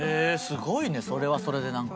すごいねそれはそれでなんか。